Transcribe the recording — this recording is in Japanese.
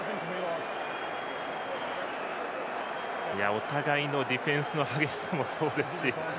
お互いのディフェンスの激しさもそうですし。